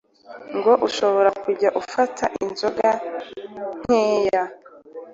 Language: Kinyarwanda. ngo ushobora kujya ufata inzoga nkeya